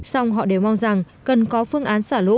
xong họ đều mong rằng cần có phương án xả lũ